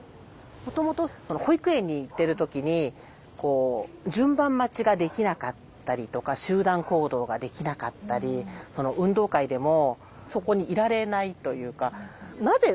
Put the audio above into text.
もともと保育園に行ってる時に順番待ちができなかったりとか集団行動ができなかったり運動会でもそこにいられないというかなぜ